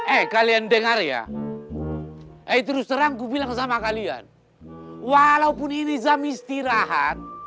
eh kalian dengar ya eh terus terangku bilang sama kalian walaupun ini jam istirahat